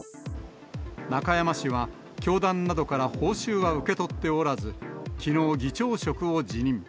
中山氏は、教団などから報酬は受け取っておらず、きのう、議長職を辞任。